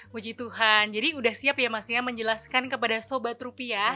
puji tuhan jadi udah siap ya mas ya menjelaskan kepada sobat rupiah